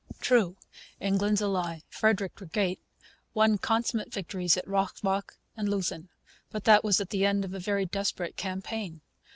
True, England's ally, Frederick the Great, won consummate victories at Rossbach and at Leuthen. But that was at the end of a very desperate campaign.